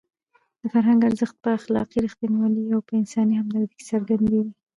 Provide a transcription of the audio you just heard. د فرهنګ ارزښت په اخلاقي رښتینولۍ او په انساني همدردۍ کې څرګندېږي.